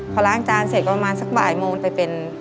พอล้างจานเสร็จประมาณสักบ่ายโมงไปเป็น